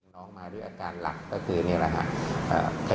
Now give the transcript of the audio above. น้องมาด้วยอาการหลักก็คือนี่แหละครับ